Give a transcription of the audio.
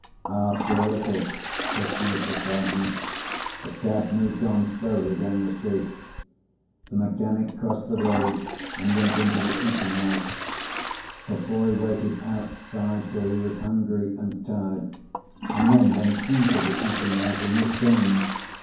"After a little," pursued the Sergeant, "the cab moved on slowly down the street. The mechanic crossed the road, and went into the eating house. The boy waited outside till he was hungry and tired—and then went into the eating house, in his turn.